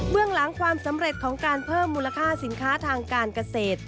หลังความสำเร็จของการเพิ่มมูลค่าสินค้าทางการเกษตร